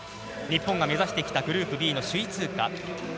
日本が目指してきたグループＢ首位通過。